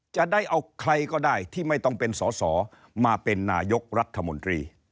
จะได้เอาใครก็ได้ที่ไม่ต้องเป็นสอสอมาเป็นนายกรัฐมนตรี